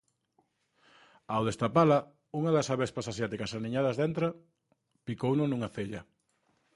Ao destapala, unha das avespas asiáticas aniñadas dentro picouno nunha cella.